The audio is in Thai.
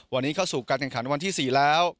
วันนี้เข้าสู่การแข่งขันวันที่๔แล้ว